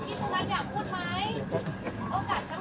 พี่สุนัยคิดถึงลูกไหมครับ